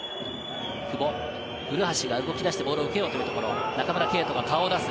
久保、古橋が動き出してボールを受けようというところ、中村敬斗も顔を出す。